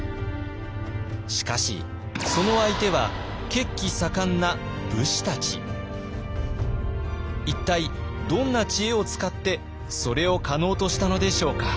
しかしその相手は一体どんな知恵を使ってそれを可能としたのでしょうか。